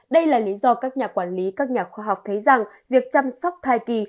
đây là lý do các nhà quản lý các nhà khoa học thấy rằng việc chăm sóc thai kỳ